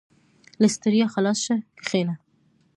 • له ستړیا خلاص شه، کښېنه.